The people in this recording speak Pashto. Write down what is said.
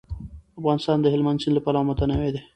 افغانستان د هلمند سیند له پلوه متنوع دی.